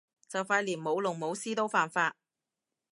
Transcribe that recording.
就快連舞龍舞獅都犯法